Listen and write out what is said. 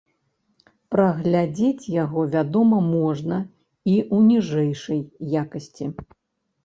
Праглядзець яго, вядома, можна і ў ніжэйшай якасці.